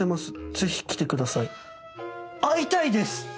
ぜひ来てください逢いたいです」。